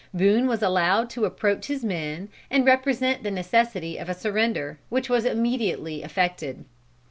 Boone was allowed to approach his men, and represent the necessity of a surrender, which was immediately effected.